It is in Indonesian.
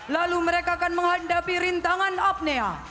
lalu mereka akan menghadapi rintangan apnea